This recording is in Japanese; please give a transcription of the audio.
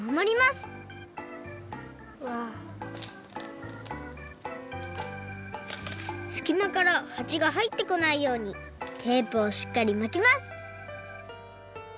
すきまからはちがはいってこないようにテープをしっかりまきます